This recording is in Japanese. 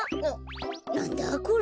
なんだこれ？